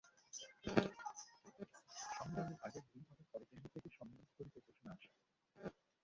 সম্মেলনের আগের দিন হঠাৎ করে কেন্দ্র থেকে সম্মেলন স্থগিতের ঘোষণা আসে।